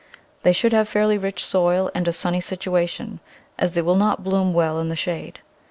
They should have fairly rich soil and a sunny situation, as they will not bloom well in the shade.